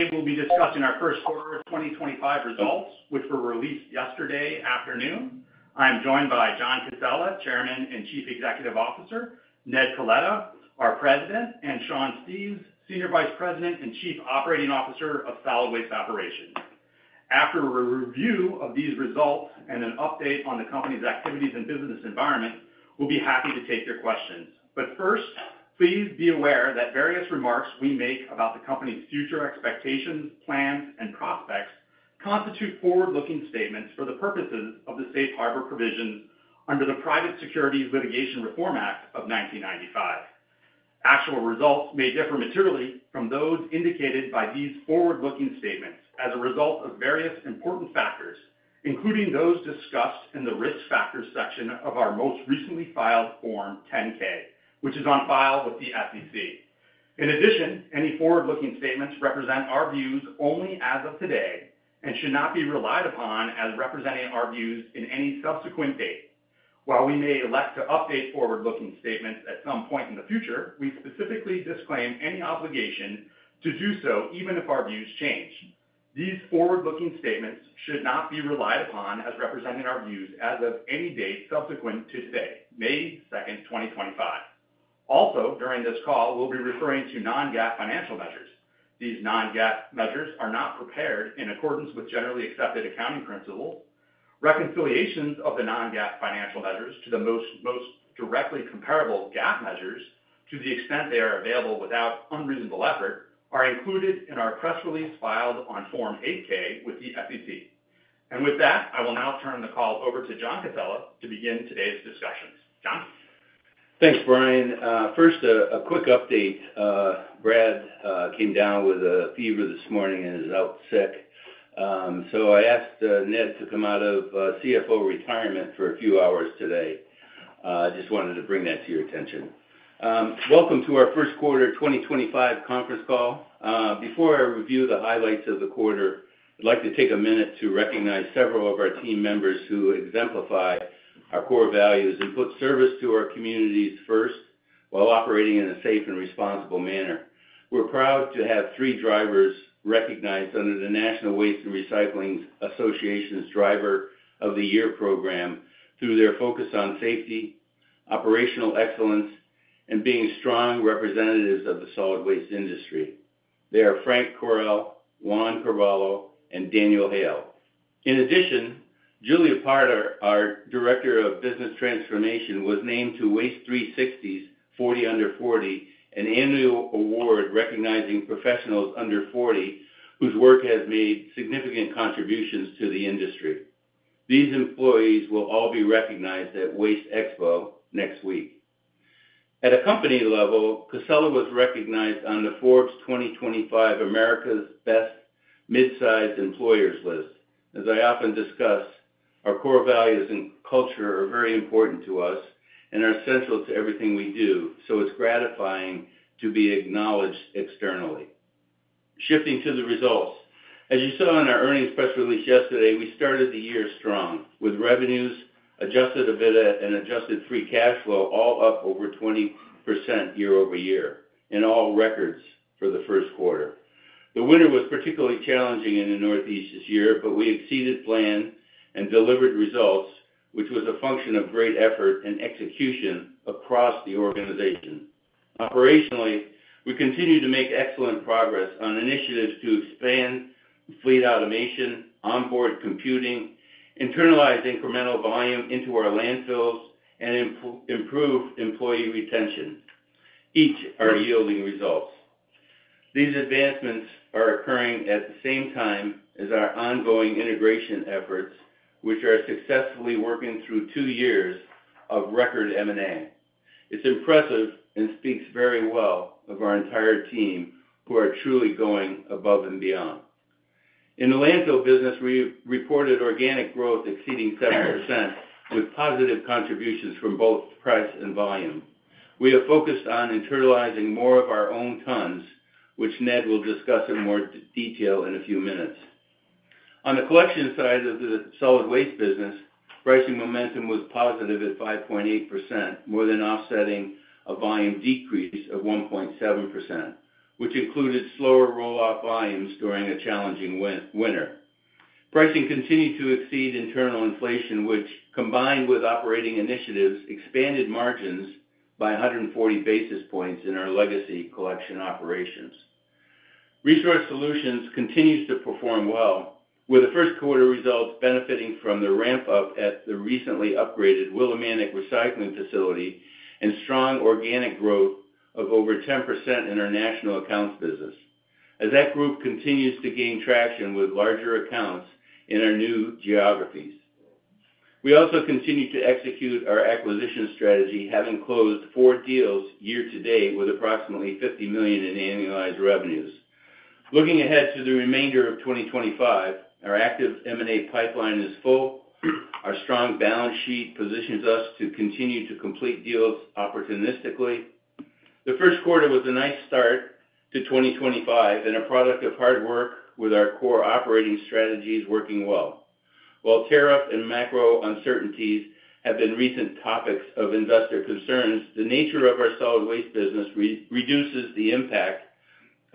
We will be discussing our first quarter 2025 results, which were released yesterday afternoon. I am joined by John Casella, Chairman and Chief Executive Officer; Ned Coletta, our President; and Sean Steves, Senior Vice President and Chief Operating Officer of Solid Waste Operations. After a review of these results and an update on the company's activities and business environment, we'll be happy to take your questions. First, please be aware that various remarks we make about the company's future expectations, plans, and prospects constitute forward-looking statements for the purposes of the Safe Harbor Provisions under the Private Securities Litigation Reform Act of 1995. Actual results may differ materially from those indicated by these forward-looking statements as a result of various important factors, including those discussed in the risk factors section of our most recently filed Form 10-K, which is on file with the SEC. In addition, any forward-looking statements represent our views only as of today and should not be relied upon as representing our views in any subsequent date. While we may elect to update forward-looking statements at some point in the future, we specifically disclaim any obligation to do so even if our views change. These forward-looking statements should not be relied upon as representing our views as of any date subsequent to today, May 2nd, 2025. Also, during this call, we'll be referring to non-GAAP financial measures. These non-GAAP measures are not prepared in accordance with generally accepted accounting principles. Reconciliations of the non-GAAP financial measures to the most directly comparable GAAP measures, to the extent they are available without unreasonable effort, are included in our press release filed on Form 8-K with the SEC. With that, I will now turn the call over to John Casella to begin today's discussions. John? Thanks, Brian. First, a quick update. Brad came down with a fever this morning and is out sick. I asked Ned to come out of CFO retirement for a few hours today. I just wanted to bring that to your attention. Welcome to our first quarter 2025 conference call. Before I review the highlights of the quarter, I'd like to take a minute to recognize several of our team members who exemplify our core values and put service to our communities first while operating in a safe and responsible manner. We're proud to have three drivers recognized under the National Waste and Recycling Association's Driver of the Year program through their focus on safety, operational excellence, and being strong representatives of the solid waste industry. They are Frank Correll, Juan Carvalho, and Daniel Hale. In addition, Julia Potter, our Director of Business Transformation, was named to Waste360's 40 Under 40, an annual award recognizing professionals under 40 whose work has made significant contributions to the industry. These employees will all be recognized at WasteExpo next week. At a company level, Casella was recognized on the Forbes 2025 America's Best Mid-Sized Employers list. As I often discuss, our core values and culture are very important to us and are central to everything we do, so it's gratifying to be acknowledged externally. Shifting to the results, as you saw in our earnings press release yesterday, we started the year strong with revenues, adjusted EBITDA, and adjusted free cash flow all up over 20% year over year in all records for the first quarter. The winter was particularly challenging in the Northeast this year, but we exceeded plan and delivered results, which was a function of great effort and execution across the organization. Operationally, we continue to make excellent progress on initiatives to expand fleet automation, onboard computing, internalize incremental volume into our landfills, and improve employee retention. Each are yielding results. These advancements are occurring at the same time as our ongoing integration efforts, which are successfully working through two years of record M&A. It's impressive and speaks very well of our entire team who are truly going above and beyond. In the landfill business, we reported organic growth exceeding 7% with positive contributions from both price and volume. We have focused on internalizing more of our own tons, which Ned will discuss in more detail in a few minutes. On the collection side of the solid waste business, pricing momentum was positive at 5.8%, more than offsetting a volume decrease of 1.7%, which included slower roll-off volumes during a challenging winter. Pricing continued to exceed internal inflation, which, combined with operating initiatives, expanded margins by 140 basis points in our legacy collection operations. Resource Solutions continues to perform well, with the first quarter results benefiting from the ramp-up at the recently upgraded Willimantic Recycling Facility and strong organic growth of over 10% in our national accounts business, as that group continues to gain traction with larger accounts in our new geographies. We also continue to execute our acquisition strategy, having closed four deals year to date with approximately $50 million in annualized revenues. Looking ahead to the remainder of 2025, our active M&A pipeline is full. Our strong balance sheet positions us to continue to complete deals opportunistically. The first quarter was a nice start to 2025 and a product of hard work with our core operating strategies working well. While tariff and macro uncertainties have been recent topics of investor concerns, the nature of our solid waste business reduces the impact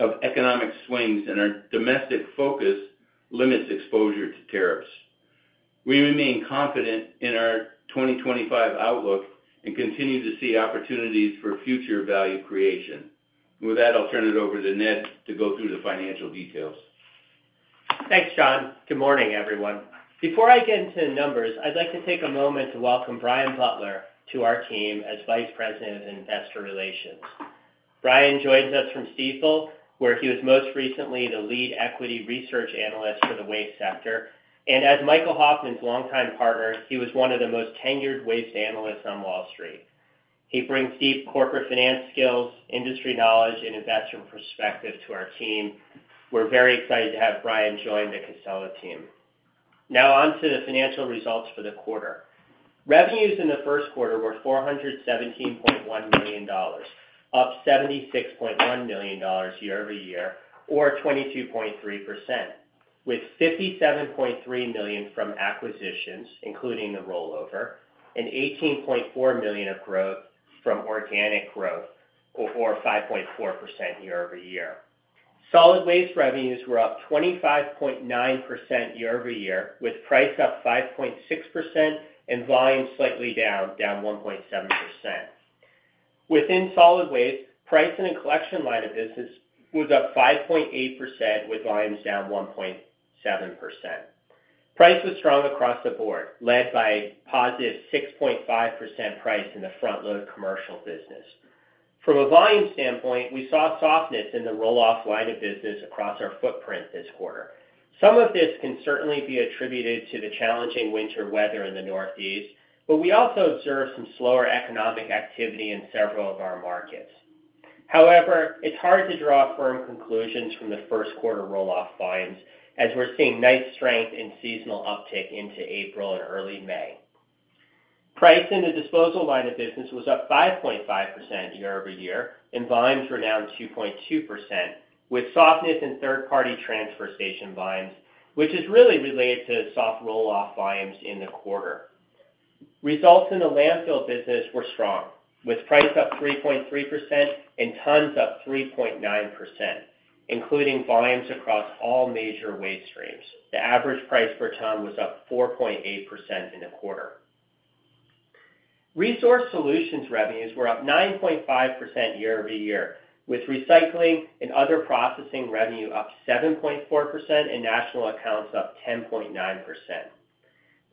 of economic swings, and our domestic focus limits exposure to tariffs. We remain confident in our 2025 outlook and continue to see opportunities for future value creation. With that, I'll turn it over to Ned to go through the financial details. Thanks, John. Good morning, everyone. Before I get into numbers, I'd like to take a moment to welcome Brian Butler to our team as Vice President of Investor Relations. Brian joins us from Stifel, where he was most recently the lead equity research analyst for the waste sector. As Michael Hoffman's longtime partner, he was one of the most tenured waste analysts on Wall Street. He brings deep corporate finance skills, industry knowledge, and investor perspective to our team. We're very excited to have Brian join the Casella team. Now on to the financial results for the quarter. Revenues in the first quarter were $417.1 million, up $76.1 million year over year, or 22.3%, with $57.3 million from acquisitions, including the rollover, and $18.4 million of growth from organic growth, or 5.4% year over year. Solid waste revenues were up 25.9% year over year, with price up 5.6% and volume slightly down, down 1.7%. Within solid waste, price in a collection line of business was up 5.8%, with volumes down 1.7%. Price was strong across the board, led by positive 6.5% price in the front-load commercial business. From a volume standpoint, we saw softness in the roll-off line of business across our footprint this quarter. Some of this can certainly be attributed to the challenging winter weather in the Northeast, but we also observed some slower economic activity in several of our markets. However, it's hard to draw firm conclusions from the first quarter roll-off volumes, as we're seeing nice strength and seasonal uptick into April and early May. Price in the disposal line of business was up 5.5% year over year, and volumes were down 2.2%, with softness in third-party transfer station volumes, which is really related to soft roll-off volumes in the quarter. Results in the landfill business were strong, with price up 3.3% and tons up 3.9%, including volumes across all major waste streams. The average price per ton was up 4.8% in the quarter. Resource Solutions revenues were up 9.5% year over year, with recycling and other processing revenue up 7.4% and national accounts up 10.9%.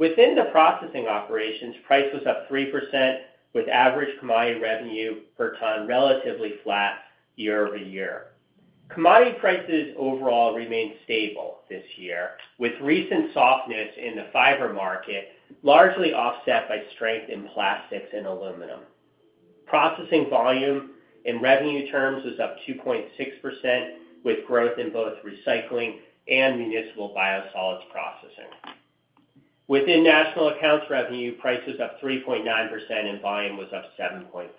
Within the processing operations, price was up 3%, with average commodity revenue per ton relatively flat year over year. Commodity prices overall remained stable this year, with recent softness in the fiber market largely offset by strength in plastics and aluminum. Processing volume in revenue terms was up 2.6%, with growth in both recycling and municipal biosolids processing. Within national accounts revenue, price was up 3.9% and volume was up 7.4%.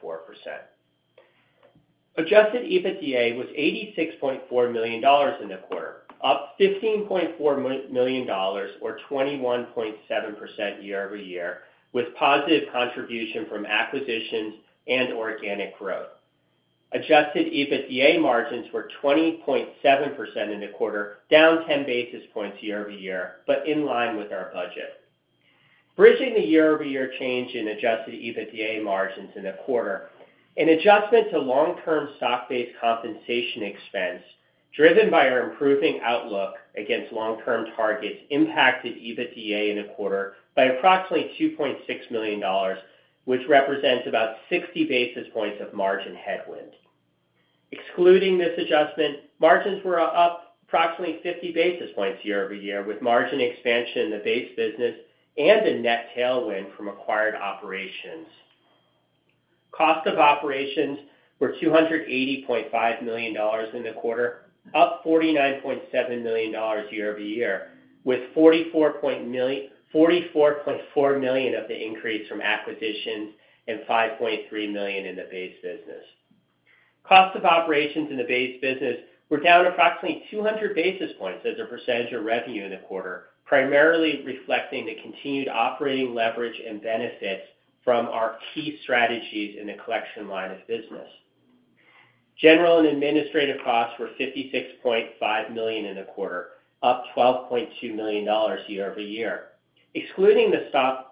Adjusted EBITDA was $86.4 million in the quarter, up $15.4 million, or 21.7% year over year, with positive contribution from acquisitions and organic growth. Adjusted EBITDA margins were 20.7% in the quarter, down 10 basis points year over year, but in line with our budget. Bridging the year-over-year change in adjusted EBITDA margins in the quarter, an adjustment to long-term stock-based compensation expense driven by our improving outlook against long-term targets impacted EBITDA in the quarter by approximately $2.6 million, which represents about 60 basis points of margin headwind. Excluding this adjustment, margins were up approximately 50 basis points year over year, with margin expansion in the base business and a net tailwind from acquired operations. Cost of operations were $280.5 million in the quarter, up $49.7 million year over year, with $44.4 million of the increase from acquisitions and $5.3 million in the base business. Cost of operations in the base business were down approximately 200 basis points as a percentage of revenue in the quarter, primarily reflecting the continued operating leverage and benefits from our key strategies in the collection line of business. General and administrative costs were $56.5 million in the quarter, up $12.2 million year over year. Excluding the stock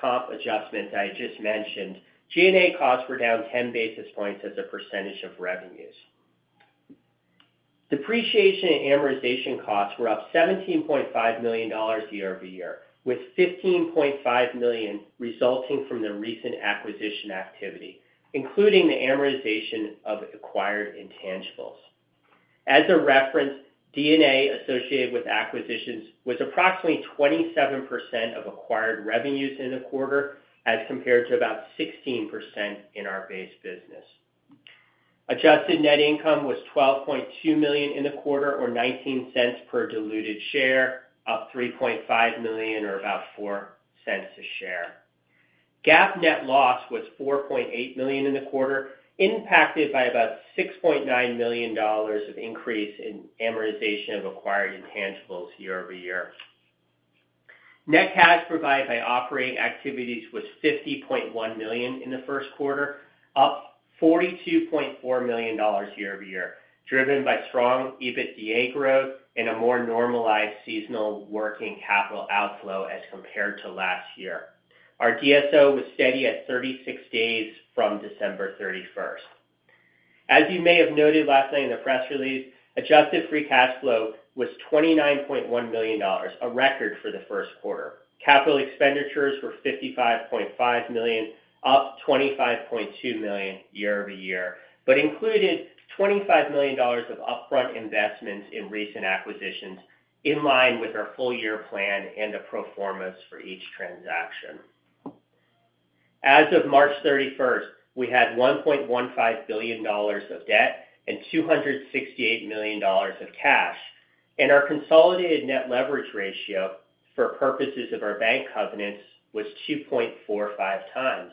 comp adjustment I just mentioned, G&A costs were down 10 basis points as a percentage of revenues. Depreciation and amortization costs were up $17.5 million year over year, with $15.5 million resulting from the recent acquisition activity, including the amortization of acquired intangibles. As a reference, D&A associated with acquisitions was approximately 27% of acquired revenues in the quarter, as compared to about 16% in our base business. Adjusted net income was $12.2 million in the quarter, or $0.19 per diluted share, up $3.5 million, or about $0.04 a share. GAAP net loss was $4.8 million in the quarter, impacted by about $6.9 million of increase in amortization of acquired intangibles year over year. Net cash provided by operating activities was $50.1 million in the first quarter, up $42.4 million year over year, driven by strong EBITDA growth and a more normalized seasonal working capital outflow as compared to last year. Our DSO was steady at 36 days from December 31st. As you may have noted last night in the press release, adjusted free cash flow was $29.1 million, a record for the first quarter. Capital expenditures were $55.5 million, up $25.2 million year over year, but included $25 million of upfront investments in recent acquisitions in line with our full-year plan and the proformas for each transaction. As of March 31, we had $1.15 billion of debt and $268 million of cash, and our consolidated net leverage ratio for purposes of our bank covenants was 2.45 times.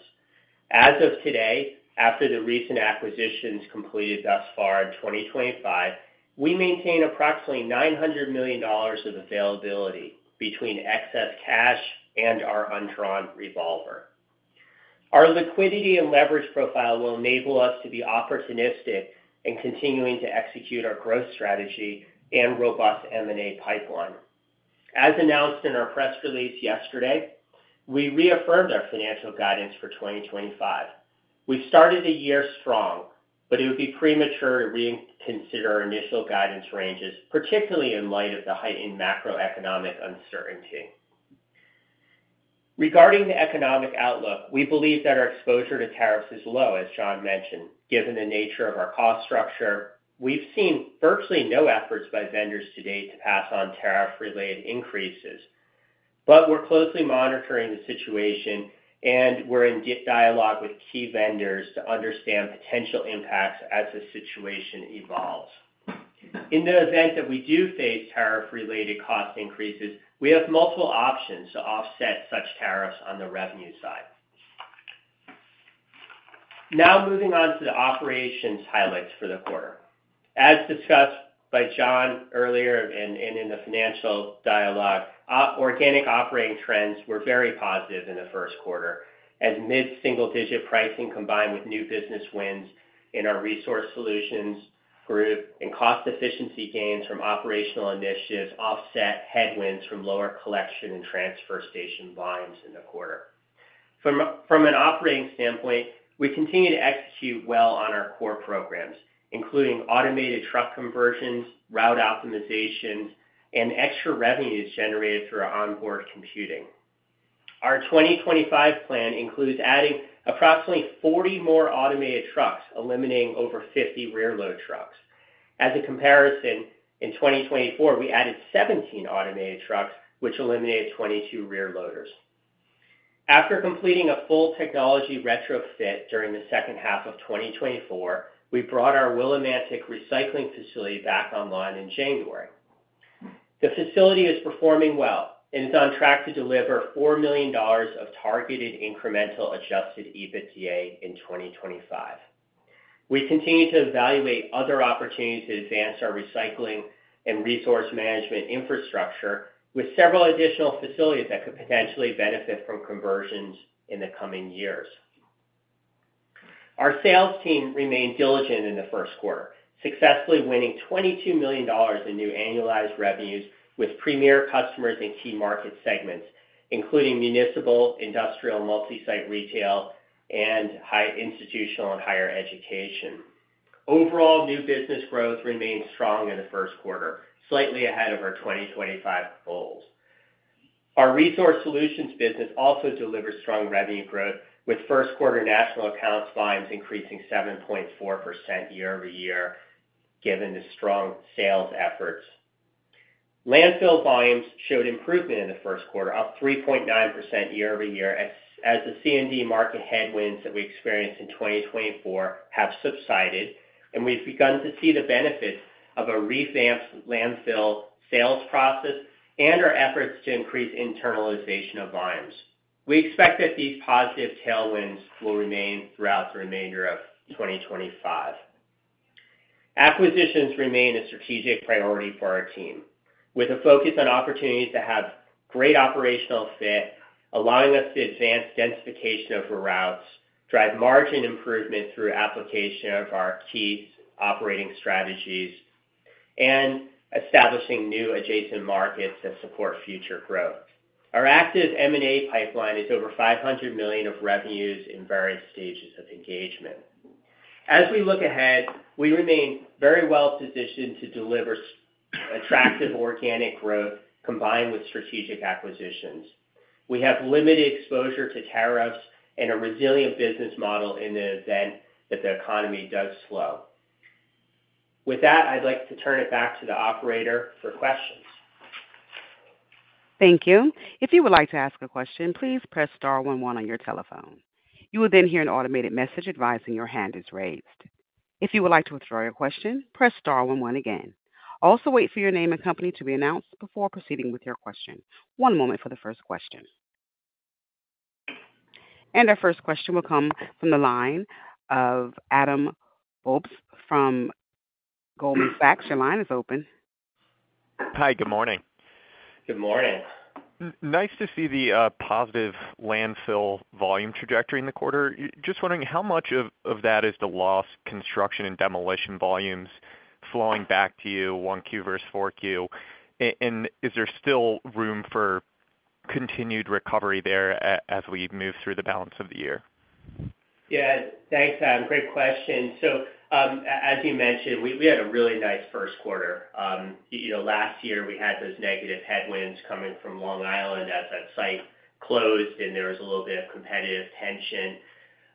As of today, after the recent acquisitions completed thus far in 2025, we maintain approximately $900 million of availability between excess cash and our undrawn revolver. Our liquidity and leverage profile will enable us to be opportunistic and continuing to execute our growth strategy and robust M&A pipeline. As announced in our press release yesterday, we reaffirmed our financial guidance for 2025. We've started the year strong, but it would be premature to reconsider our initial guidance ranges, particularly in light of the heightened macroeconomic uncertainty. Regarding the economic outlook, we believe that our exposure to tariffs is low, as John mentioned. Given the nature of our cost structure, we've seen virtually no efforts by vendors today to pass on tariff-related increases. We are closely monitoring the situation, and we're in dialogue with key vendors to understand potential impacts as the situation evolves. In the event that we do face tariff-related cost increases, we have multiple options to offset such tariffs on the revenue side. Now moving on to the operations highlights for the quarter. As discussed by John earlier and in the financial dialogue, organic operating trends were very positive in the first quarter, as mid-single-digit pricing combined with new business wins in our Resource Solutions Group and cost efficiency gains from operational initiatives offset headwinds from lower collection and transfer station volumes in the quarter. From an operating standpoint, we continue to execute well on our core programs, including automated truck conversions, route optimizations, and extra revenues generated through our onboard computing. Our 2025 plan includes adding approximately 40 more automated trucks, eliminating over 50 rear-load trucks. As a comparison, in 2024, we added 17 automated trucks, which eliminated 22 rear-loaders. After completing a full technology retrofit during the second half of 2024, we brought our Willimantic Recycling Facility back online in January. The facility is performing well, and it's on track to deliver $4 million of targeted incremental adjusted EBITDA in 2025. We continue to evaluate other opportunities to advance our recycling and resource management infrastructure, with several additional facilities that could potentially benefit from conversions in the coming years. Our sales team remained diligent in the first quarter, successfully winning $22 million in new annualized revenues with premier customers and key market segments, including municipal, industrial, multi-site retail, and high institutional and higher education. Overall, new business growth remained strong in the first quarter, slightly ahead of our 2025 goals. Our Resource Solutions business also delivered strong revenue growth, with first-quarter national accounts volumes increasing 7.4% year over year, given the strong sales efforts. Landfill volumes showed improvement in the first quarter, up 3.9% year over year, as the C&D market headwinds that we experienced in 2024 have subsided, and we've begun to see the benefits of a revamped landfill sales process and our efforts to increase internalization of volumes. We expect that these positive tailwinds will remain throughout the remainder of 2025. Acquisitions remain a strategic priority for our team, with a focus on opportunities that have great operational fit, allowing us to advance densification of routes, drive margin improvement through application of our key operating strategies, and establishing new adjacent markets that support future growth. Our active M&A pipeline is over $500 million of revenues in various stages of engagement. As we look ahead, we remain very well positioned to deliver attractive organic growth combined with strategic acquisitions. We have limited exposure to tariffs and a resilient business model in the event that the economy does slow. With that, I'd like to turn it back to the operator for questions. Thank you. If you would like to ask a question, please press star one one on your telephone. You will then hear an automated message advising your hand is raised. If you would like to withdraw your question, press star one one again. Also, wait for your name and company to be announced before proceeding with your question. One moment for the first question. Our first question will come from the line of Adam Bubes from Goldman Sachs. Your line is open. Hi, good morning. Good morning. Nice to see the positive landfill volume trajectory in the quarter. Just wondering, how much of that is the lost construction and demolition volumes flowing back to you, 1Q versus 4Q? Is there still room for continued recovery there as we move through the balance of the year? Yeah, thanks, Adam. Great question. As you mentioned, we had a really nice first quarter. Last year, we had those negative headwinds coming from Long Island as that site closed, and there was a little bit of competitive tension.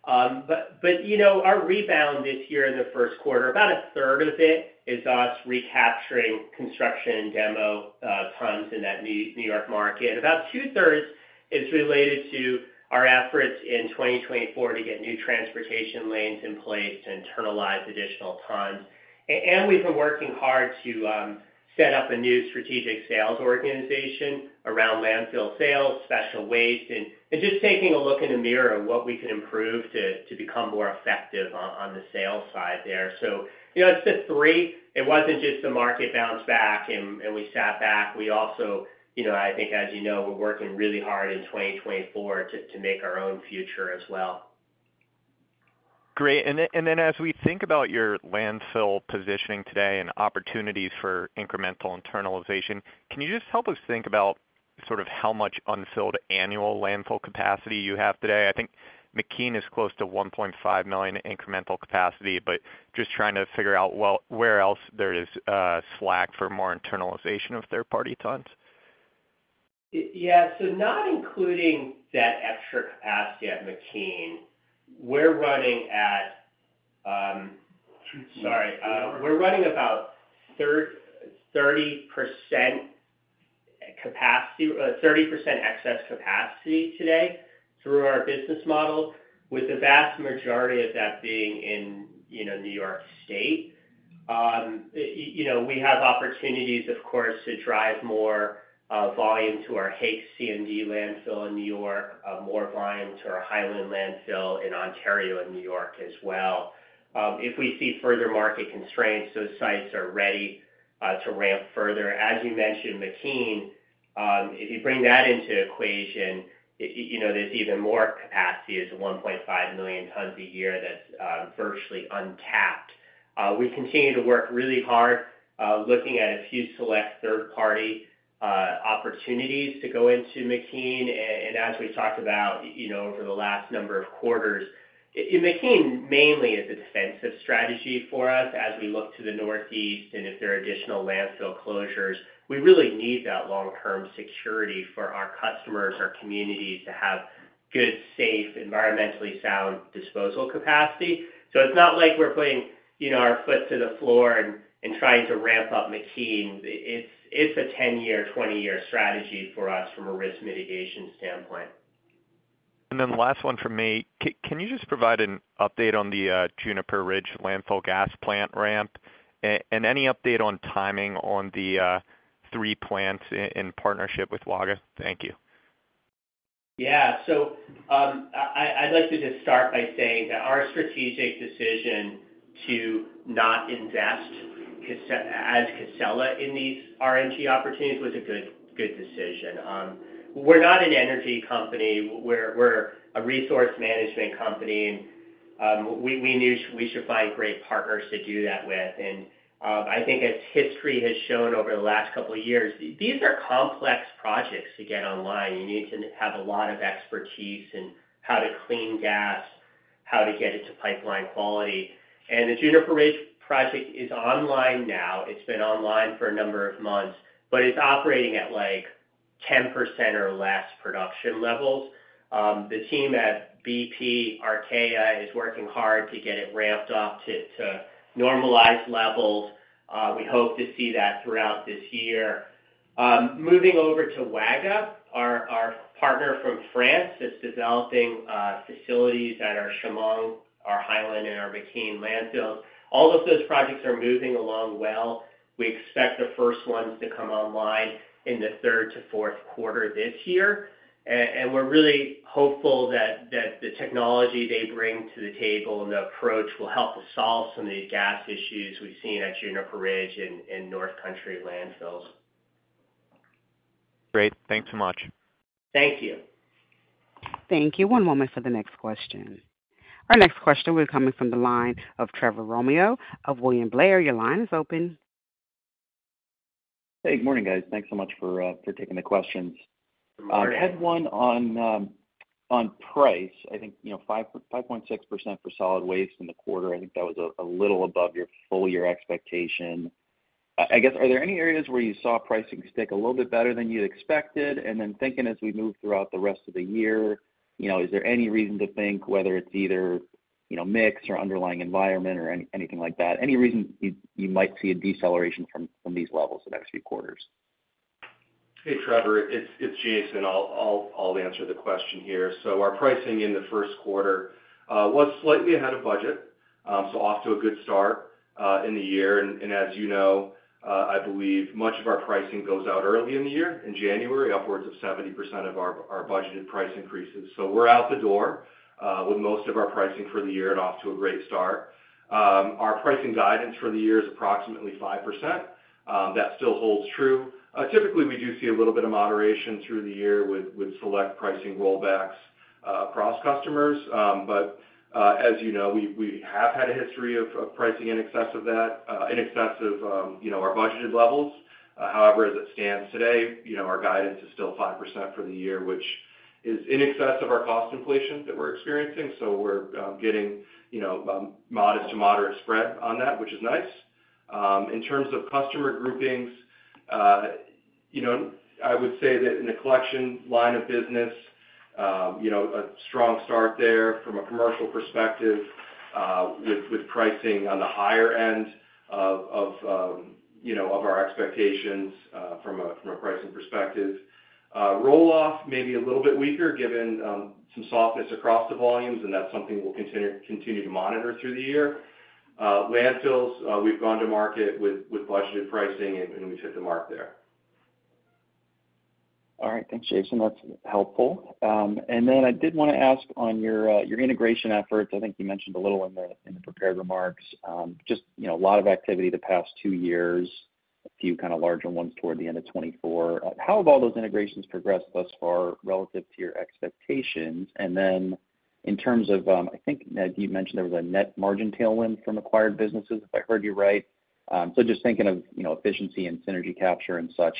Our rebound this year in the first quarter, about a third of it is us recapturing construction and demo tons in that New York market. About two-thirds is related to our efforts in 2024 to get new transportation lanes in place to internalize additional tons. We have been working hard to set up a new strategic sales organization around landfill sales, special waste, and just taking a look in the mirror at what we can improve to become more effective on the sales side there. So you know its just [three] it was not just the market bounced back and we sat back. We also, I think, as you know, are working really hard in 2024 to make our own future as well. Great. As we think about your landfill positioning today and opportunities for incremental internalization, can you just help us think about sort of how much unfilled annual landfill capacity you have today? I think McKean is close to 1.5 million incremental capacity, but just trying to figure out where else there is slack for more internalization of third-party tons? Not including that extra capacity at McKean, we're running about 30% excess capacity today through our business model, with the vast majority of that being in New York State. We have opportunities, of course, to drive more volume to our Hakes C&D landfill in New York, more volume to our Hyland landfill in Ontario and New York as well. If we see further market constraints, those sites are ready to ramp further. As you mentioned, McKean, if you bring that into equation, there's even more capacity; it's 1.5 million tons a year that's virtually untapped. We continue to work really hard, looking at a few select third-party opportunities to go into McKean. As we talked about over the last number of quarters, McKean mainly is a defensive strategy for us as we look to the Northeast, and if there are additional landfill closures, we really need that long-term security for our customers, our communities, to have good, safe, environmentally sound disposal capacity. It's not like we're putting our foot to the floor and trying to ramp up McKean. It's a 10-year, 20-year strategy for us from a risk mitigation standpoint. The last one for me, can you just provide an update on the Juniper Ridge Landfill Gas Plant ramp and any update on timing on the three plants in partnership with Waga? Thank you. Yeah. I would like to just start by saying that our strategic decision to not invest as Casella in these RNG opportunities was a good decision. We're not an energy company. We're a resource management company, and we knew we should find great partners to do that with. I think, as history has shown over the last couple of years, these are complex projects to get online. You need to have a lot of expertise in how to clean gas, how to get it to pipeline quality. The Juniper Ridge project is online now. It's been online for a number of months, but it's operating at like 10% or less production levels. The team at BP Archaea is working hard to get it ramped up to normalized levels. We hope to see that throughout this year. Moving over to Waga, our partner from France, that's developing facilities at our Chaumont, our Hyland, and our McKeen landfills. All of those projects are moving along well. We expect the first ones to come online in the third to fourth quarter this year. We are really hopeful that the technology they bring to the table and the approach will help us solve some of these gas issues we've seen at Juniper Ridge and North Country landfills. Great. Thanks so much. Thank you. Thank you. One moment for the next question. Our next question will be coming from the line of Trevor Romeo of William Blair. Your line is open. Hey, good morning, guys. Thanks so much for taking the questions. I had one on price. I think 5.6% for solid waste in the quarter. I think that was a little above your full-year expectation. I guess, are there any areas where you saw pricing stick a little bit better than you expected? I guess, thinking as we move throughout the rest of the year, is there any reason to think, whether it's either mix or underlying environment or anything like that, any reason you might see a deceleration from these levels the next few quarters? Hey Trevor, it's Jason. I'll answer the question here. Our pricing in the first quarter was slightly ahead of budget, so off to a good start in the year. As you know, I believe much of our pricing goes out early in the year, in January, upwards of 70% of our budgeted price increases. We're out the door with most of our pricing for the year and off to a great start. Our pricing guidance for the year is approximately 5%. That still holds true. Typically, we do see a little bit of moderation through the year with select pricing rollbacks across customers. As you know, we have had a history of pricing in excess of our budgeted levels. However, as it stands today, our guidance is still 5% for the year, which is in excess of our cost inflation that we're experiencing. We're getting modest to moderate spread on that, which is nice. In terms of customer groupings, I would say that in the collection line of business, a strong start there from a commercial perspective with pricing on the higher end of our expectations from a pricing perspective. Roll-off may be a little bit weaker given some softness across the volumes, and that's something we'll continue to monitor through the year. Landfills, we've gone to market with budgeted pricing, and we've hit the mark there. All right. Thanks, Jason. That's helpful. I did want to ask on your integration efforts. I think you mentioned a little in the prepared remarks, just a lot of activity the past two years, a few kind of larger ones toward the end of 2024. How have all those integrations progressed thus far relative to your expectations? In terms of, I think you mentioned there was a net margin tailwind from acquired businesses, if I heard you right. Just thinking of efficiency and synergy capture and such,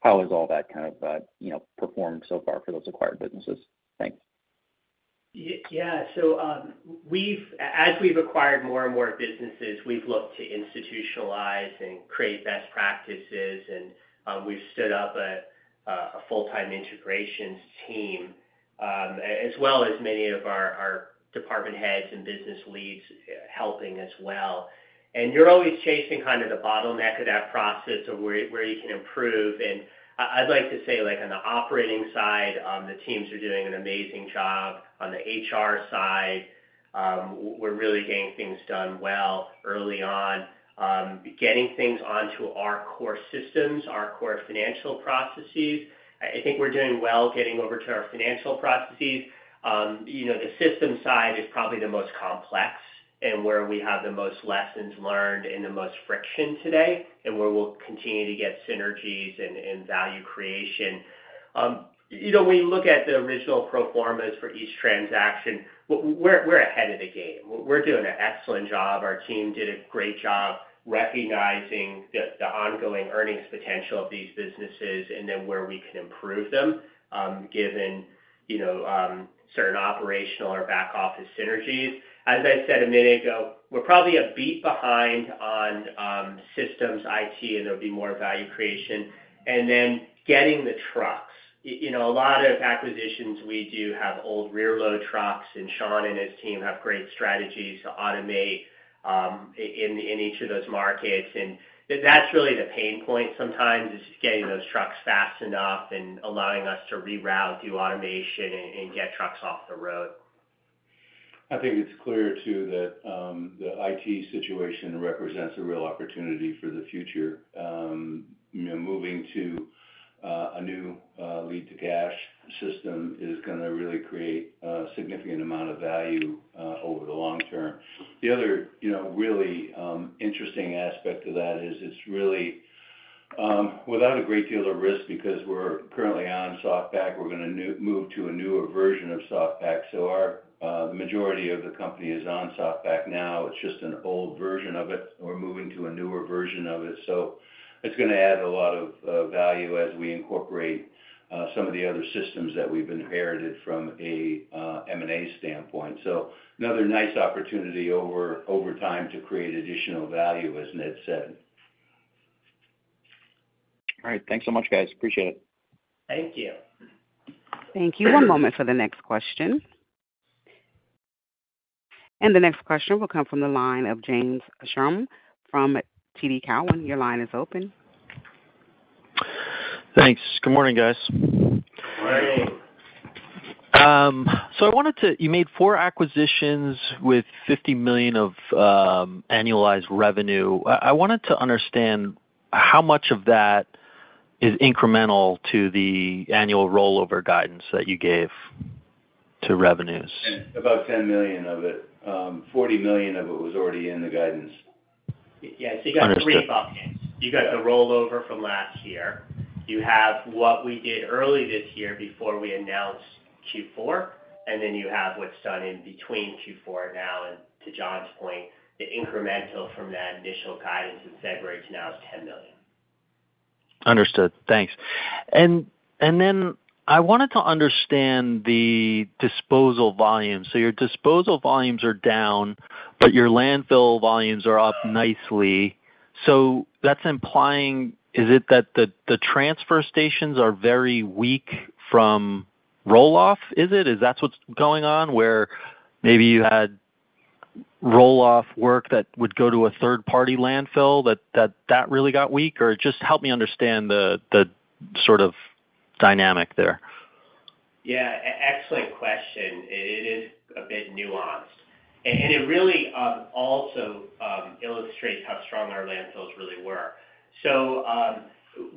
how has all that kind of performed so far for those acquired businesses? Thanks. Yeah so as we've acquired more and more businesses, we've looked to institutionalize and create best practices, and we've stood up a full-time integrations team, as well as many of our department heads and business leads helping as well. You're always chasing kind of the bottleneck of that process of where you can improve. I'd like to say, on the operating side, the teams are doing an amazing job. On the HR side, we're really getting things done well early on. Getting things onto our core systems, our core financial processes, I think we're doing well getting over to our financial processes. The system side is probably the most complex and where we have the most lessons learned and the most friction today, and where we'll continue to get synergies and value creation. When you look at the original proformas for each transaction, we're ahead of the game. We're doing an excellent job. Our team did a great job recognizing the ongoing earnings potential of these businesses and then where we can improve them given certain operational or back-office synergies. As I said a minute ago, we're probably a beat behind on systems, IT, and there'll be more value creation. Getting the trucks. A lot of acquisitions we do have old rear-load trucks, and Sean and his team have great strategies to automate in each of those markets. That's really the pain point sometimes, getting those trucks fast enough and allowing us to reroute, do automation, and get trucks off the road. I think it's clear too that the IT situation represents a real opportunity for the future. Moving to a new lead-to-cash system is going to really create a significant amount of value over the long term. The other really interesting aspect of that is it's really without a great deal of risk because we're currently on SoftPak. We're going to move to a newer version of SoftPak. The majority of the company is on SoftPak now. It's just an old version of it. We're moving to a newer version of it. It's going to add a lot of value as we incorporate some of the other systems that we've inherited from an M&A standpoint. Another nice opportunity over time to create additional value, as Ned said. All right. Thanks so much, guys. Appreciate it. Thank you. Thank you. One moment for the next question. The next question will come from the line of James Schumm from TD Cowen. Your line is open. Thanks. Good morning, guys. Morning. I wanted to, you made four acquisitions with $50 million of annualized revenue. I wanted to understand how much of that is incremental to the annual rollover guidance that you gave to revenues. About $10 million of it. $40 million of it was already in the guidance. Yeah. You got three buckets. You got the rollover from last year. You have what we did early this year before we announced Q4, and then you have what's done in between Q4 now. To John's point, the incremental from that initial guidance in February to now is $10 million. Understood. Thanks. I wanted to understand the disposal volumes. Your disposal volumes are down, but your landfill volumes are up nicely. That's implying, is it that the transfer stations are very weak from roll-off? Is that what's going on, where maybe you had roll-off work that would go to a third-party landfill that really got weak? Or just help me understand the sort of dynamic there. Yeah. Excellent question. It is a bit nuanced. It really also illustrates how strong our landfills really were.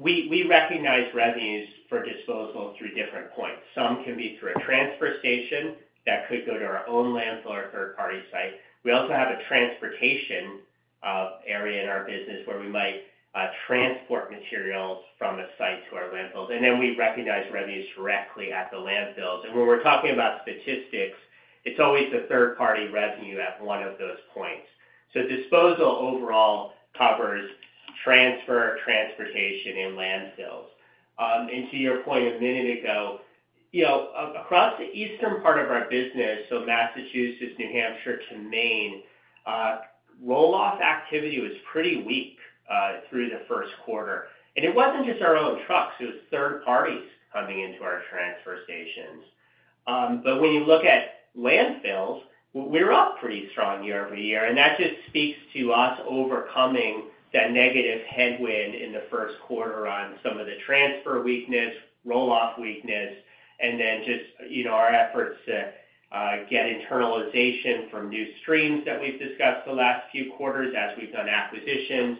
We recognize revenues for disposal through different points. Some can be through a transfer station that could go to our own landfill or third-party site. We also have a transportation area in our business where we might transport materials from a site to our landfills. We recognize revenues directly at the landfills. When we're talking about statistics, it's always the third-party revenue at one of those points. Disposal overall covers transfer, transportation, and landfills. To your point a minute ago, across the eastern part of our business, so Massachusetts, New Hampshire to Maine, roll-off activity was pretty weak through the first quarter. It wasn't just our own trucks. It was third parties coming into our transfer stations. When you look at landfills, we were up pretty strong year over year. That just speaks to us overcoming that negative headwind in the first quarter on some of the transfer weakness, roll-off weakness, and then just our efforts to get internalization from new streams that we've discussed the last few quarters as we've done acquisitions.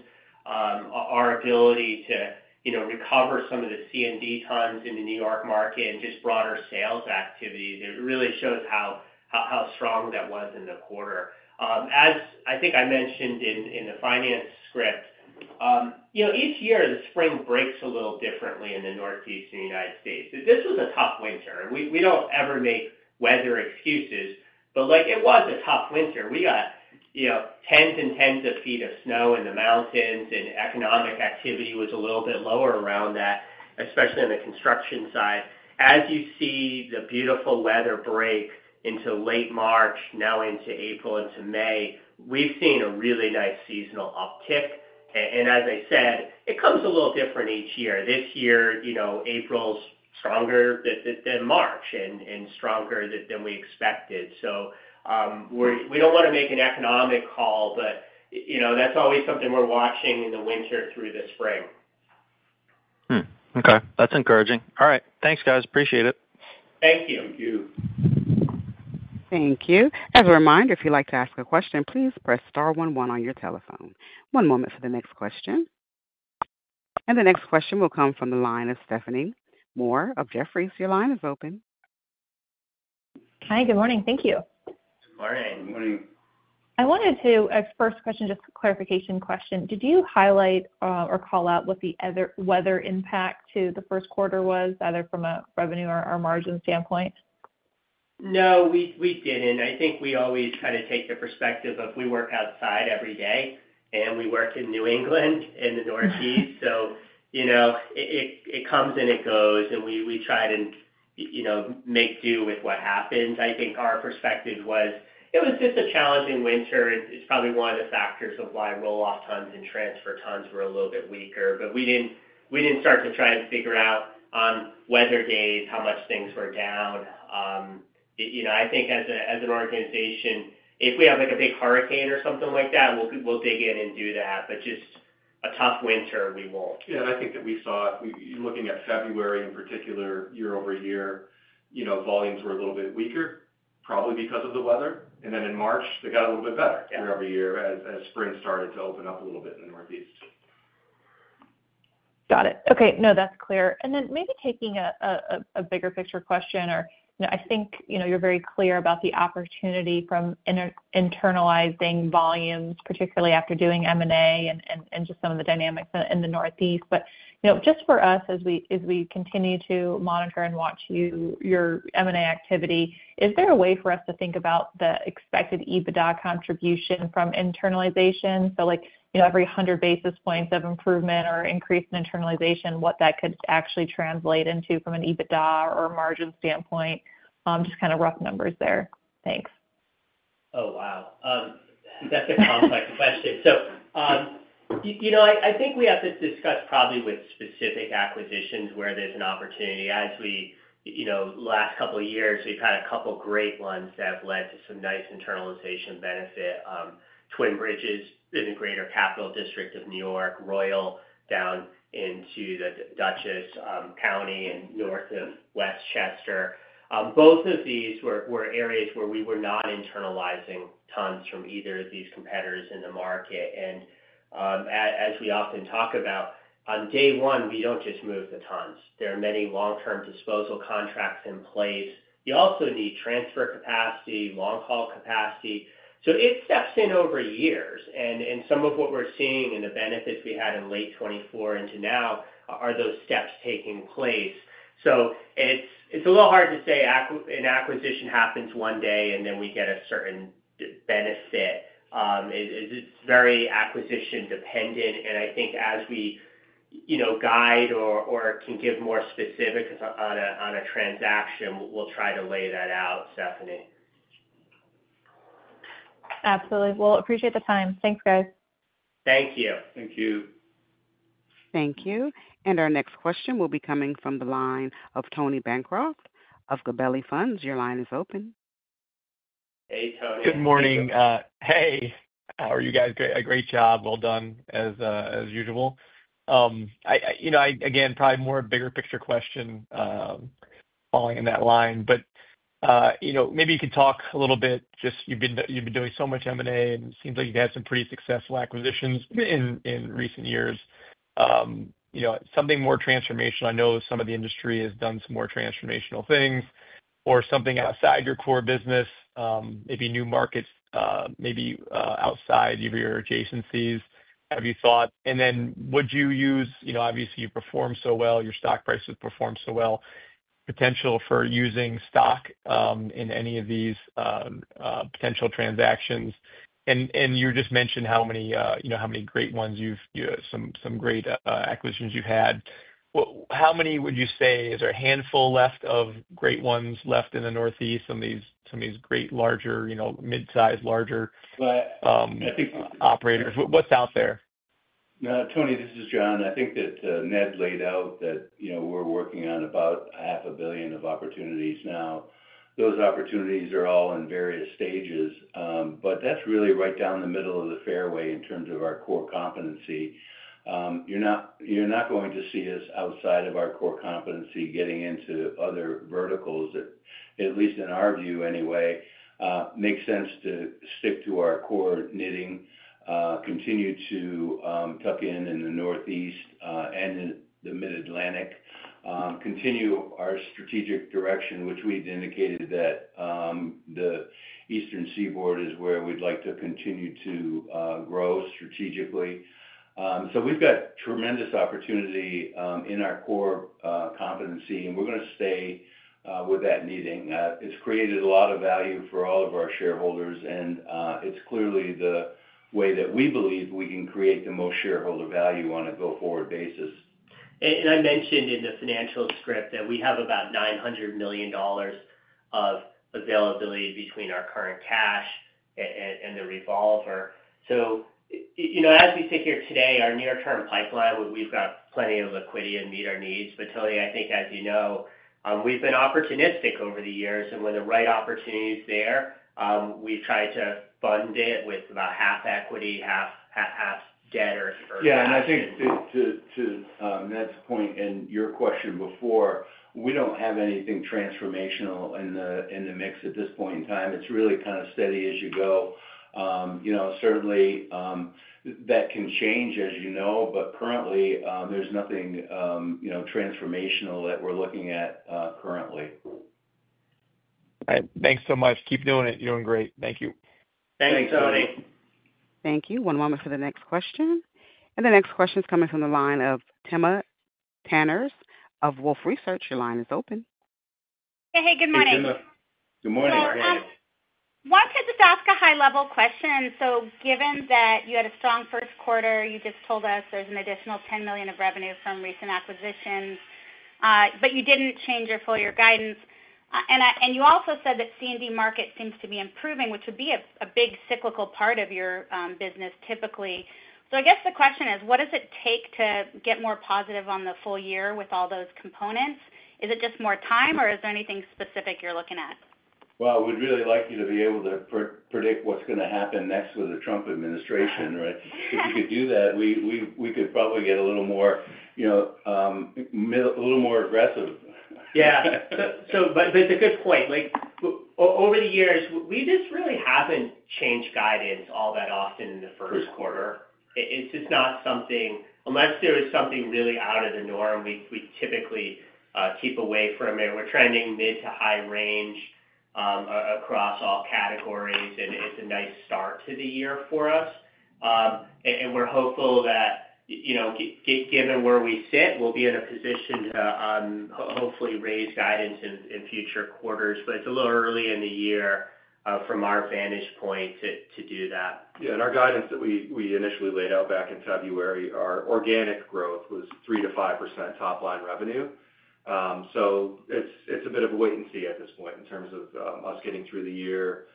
Our ability to recover some of the C&D times in the New York market and just broader sales activity. It really shows how strong that was in the quarter. As I think I mentioned in the finance script, each year, the spring breaks a little differently in the Northeastern United States. This was a tough winter. We don't ever make weather excuses, but it was a tough winter. We got tens and tens of feet of snow in the mountains, and economic activity was a little bit lower around that, especially on the construction side. As you see the beautiful weather break into late March, now into April, into May, we've seen a really nice seasonal uptick. As I said, it comes a little different each year. This year, April's stronger than March and stronger than we expected. We don't want to make an economic call, but that's always something we're watching in the winter through the spring. Okay. That's encouraging. All right. Thanks, guys. Appreciate it. Thank you. Thank you. Thank you. As a reminder, if you'd like to ask a question, please press star one one on your telephone. One moment for the next question. The next question will come from the line of Stephanie Moore of Jefferies. Your line is open. Hi. Good morning. Thank you. Good morning. Good morning. I wanted to—first question, just a clarification question. Did you highlight or call out what the weather impact to the first quarter was, either from a revenue or margin standpoint? No, we did not. I think we always kind of take the perspective of we work outside every day, and we work in New England in the Northeast. It comes and it goes, and we try to make do with what happens. I think our perspective was it was just a challenging winter, and it is probably one of the factors of why roll-off times and transfer times were a little bit weaker. We did not start to try and figure out on weather days how much things were down. I think as an organization, if we have a big hurricane or something like that, we will dig in and do that. Just a tough winter, we won't. Yeah. I think that we saw, looking at February in particular, year over year, volumes were a little bit weaker, probably because of the weather. In March, they got a little bit better year over year as spring started to open up a little bit in the Northeast. Got it. Okay. No, that's clear. Maybe taking a bigger picture question, I think you're very clear about the opportunity from internalizing volumes, particularly after doing M&A and just some of the dynamics in the Northeast. Just for us, as we continue to monitor and watch your M&A activity, is there a way for us to think about the expected EBITDA contribution from internalization? Every 100 basis points of improvement or increase in internalization, what could that actually translate into from an EBITDA or margin standpoint? Just kind of rough numbers there. Thanks. Oh, wow. That's a complex question. I think we have to discuss probably with specific acquisitions where there's an opportunity. As we last couple of years, we've had a couple of great ones that have led to some nice internalization benefit: Twin Bridges in the greater capital district of New York, Royal down into the Dutchess County and north of Westchester. Both of these were areas where we were not internalizing tons from either of these competitors in the market. As we often talk about, on day one, we don't just move the tons. There are many long-term disposal contracts in place. You also need transfer capacity, long-haul capacity. It steps in over years. Some of what we're seeing and the benefits we had in late 2024 into now are those steps taking place. It's a little hard to say an acquisition happens one day and then we get a certain benefit. It's very acquisition-dependent. I think as we guide or can give more specifics on a transaction, we'll try to lay that out, Stephanie. Absolutely. Appreciate the time. Thanks, guys. Thank you. Thank you. Thank you. Our next question will be coming from the line of Tony Bancroft of Gabelli Funds. Your line is open. Hey, Tony. Good morning. Hey. How are you guys? Great job. Well done, as usual. Again, probably more bigger picture question falling in that line. Maybe you can talk a little bit. Just you've been doing so much M&A, and it seems like you've had some pretty successful acquisitions in recent years. Something more transformational. I know some of the industry has done some more transformational things or something outside your core business, maybe new markets, maybe outside of your adjacencies, have you thought? Would you use—obviously, you perform so well. Your stock price has performed so well. Potential for using stock in any of these potential transactions? You just mentioned how many great ones, some great acquisitions you've had. How many would you say—is there a handful left of great ones left in the Northeast, some of these great larger, mid-size, larger operators? What's out there? Tony, this is John. I think that Ned laid out that we're working on about $500 million of opportunities now. Those opportunities are all in various stages. That's really right down the middle of the fairway in terms of our core competency. You're not going to see us outside of our core competency getting into other verticals that, at least in our view anyway, make sense to stick to our core knitting, continue to tuck in in the Northeast and the Mid-Atlantic, continue our strategic direction, which we've indicated that the Eastern Seaboard is where we'd like to continue to grow strategically. We've got tremendous opportunity in our core competency, and we're going to stay with that knitting. It's created a lot of value for all of our shareholders, and it's clearly the way that we believe we can create the most shareholder value on a go-forward basis. And as I mentioned in the financial script that we have about $900 million of availability between our current cash and the revolver. As we sit here today, our near-term pipeline, we've got plenty of liquidity to meet our needs. But Tony, I think, as you know, we've been opportunistic over the years. When the right opportunity is there, we've tried to fund it with about half equity, half debt, or something like that. Yeah. I think to Ned's point and your question before, we don't have anything transformational in the mix at this point in time. It's really kind of steady as you go. Certainly, that can change, as you know, but currently, there's nothing transformational that we're looking at currently. All right. Thanks so much. Keep doing it. You're doing great. Thank you. Thanks, Tony. Thanks, Tony. Thank you. One moment for the next question. The next question is coming from the line of Timna Tanners of Wolf Research. Your line is open. Hey, good morning. Good morning. I just wanted to ask a high-level question so given that you had a strong first quarter, you just told us there's an additional $10 million of revenue from recent acquisitions, but you didn't change your full-year guidance. You also said that C&D market seems to be improving, which would be a big cyclical part of your business typically. I guess the question is, what does it take to get more positive on the full year with all those components? Is it just more time, or is there anything specific you're looking at? We'd really like you to be able to predict what's going to happen next with the Trump administration, right? If you could do that, we could probably get a little more aggressive. Yeah. It's a good point. Over the years, we just really haven't changed guidance all that often in the first quarter First quarter It's just not something—unless there is something really out of the norm, we typically keep away from it. We're trending mid to high range across all categories, and it's a nice start to the year for us. We're hopeful that, given where we sit, we'll be in a position to hopefully raise guidance in future quarters. It's a little early in the year from our vantage point to do that. Yeah. Our guidance that we initially laid out back in February, our organic growth was 3-5% top-line revenue. It's a bit of a wait and see at this point in terms of us getting through the year,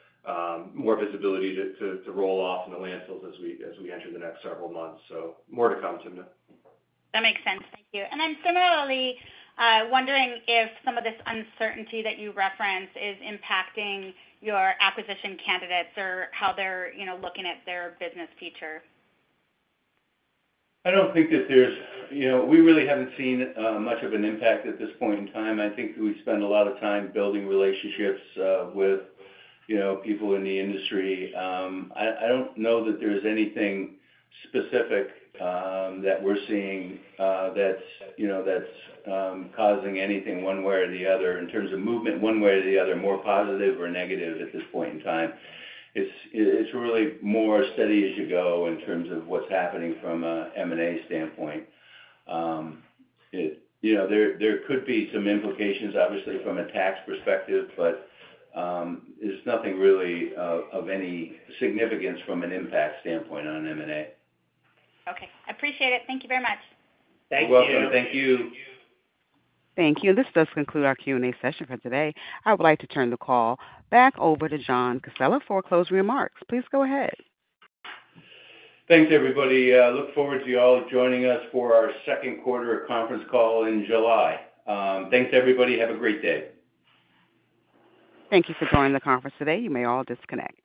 more visibility to roll-off in the landfills as we enter the next several months. More to come, Timna. That makes sense. Thank you. And similarly wondering if some of this uncertainty that you referenced is impacting your acquisition candidates or how they're looking at their business future? I don't think that there's, we really haven't seen much of an impact at this point in time. I think we spend a lot of time building relationships with people in the industry. I don't know that there's anything specific that we're seeing that's causing anything one way or the other in terms of movement one way or the other, more positive or negative at this point in time. It's really more steady as you go in terms of what's happening from an M&A standpoint. There could be some implications, obviously, from a tax perspective, but there's nothing really of any significance from an impact standpoint on M&A. Okay. I appreciate it. Thank you very much. Thank you. You're welcome. Thank you. Thank you. This does conclude our Q&A session for today. I would like to turn the call back over to John Casella for closing remarks. Please go ahead. Thanks, everybody. Look forward to y'all joining us for our second quarter conference call in July. Thanks, everybody. Have a great day. Thank you for joining the conference today. You may all disconnect.